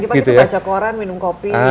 pagi pagi tuh baca koran minum kopi